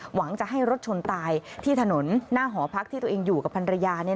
หวังจะให้รถชนตายที่ถนนหน้าหอพักที่ตัวเองอยู่กับพันรยา